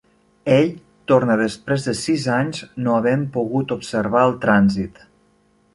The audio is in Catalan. Ell torna després de sis anys no havent pogut observar el trànsit.